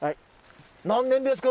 何年ですか？